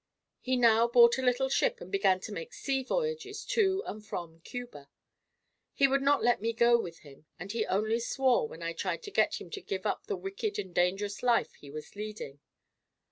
He now bought a little ship and began to make sea voyages to and from Cuba. He would not let me go with him and he only swore when I tried to get him to give up the wicked and dangerous life he was leading.